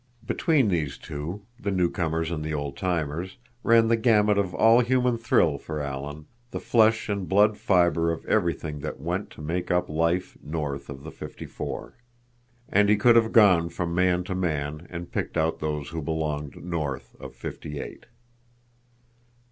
Between these two, the newcomers and the old timers, ran the gamut of all human thrill for Alan, the flesh and blood fiber of everything that went to make up life north of Fifty four. And he could have gone from man to man and picked out those who belonged north of Fifty eight.